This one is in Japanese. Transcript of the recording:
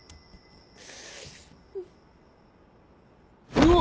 うわ！